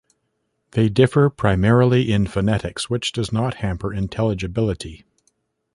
They differ primarily in phonetics, which does not hamper intelligibility.